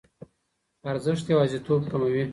ارزښت یوازیتوب کموي.